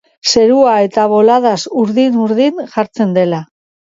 Zerua ere boladaz urdin-urdin jartzen dela.